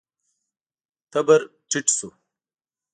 تبر ټيټ شو.